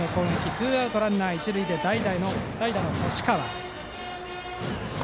ツーアウトランナー、一塁で代打の干川。